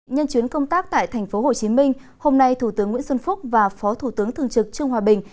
nhân chuyến công tác tại tp hcm hôm nay thủ tướng nguyễn xuân phúc và phó thủ tướng thường trực trương hòa bình